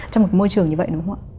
trong một môi trường như vậy đúng không ạ